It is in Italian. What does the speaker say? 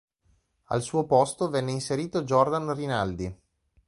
Al suo posto venne inserito Jordan Rinaldi.